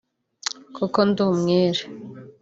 kuko ndi umwere